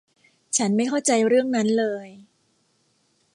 ฉันไม่เข้าใจเรื่องนั้นเลย